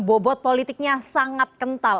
bobot politiknya sangat kental